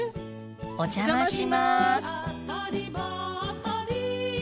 お邪魔します。